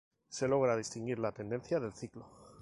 Se logra distinguir la tendencia del ciclo.